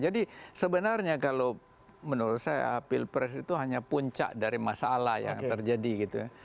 jadi sebenarnya kalau menurut saya pilpres itu hanya puncak dari masalah yang terjadi gitu ya